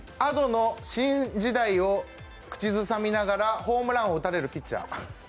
Ａｄｏの「新時代」を口ずさみながらホームランを打たれるピッチャー。